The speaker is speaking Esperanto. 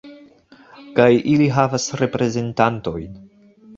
Kaj ili havas reprezentantojn.